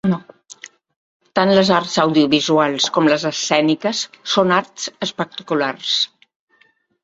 Tant les arts audiovisuals com les escèniques són arts espectaculars.